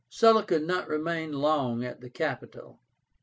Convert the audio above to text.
Sulla could not remain long at the capital.